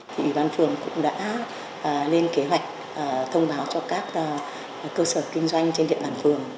thị bàn phường cũng đã lên kế hoạch thông báo cho các cơ sở kinh doanh trên địa bàn phường